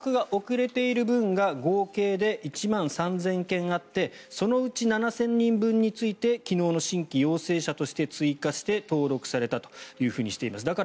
保健所の発生届は出ているんだけど登録が遅れている分が合計で１万３０００件あってそのうち７０００人分について昨日の新規陽性者として追加して登録されたというふうにしています。